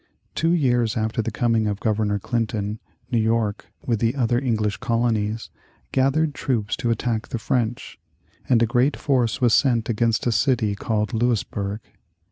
Two years after the coming of Governor Clinton, New York, with the other English colonies, gathered troops to attack the French, and a great force was sent against a city called Louisburg.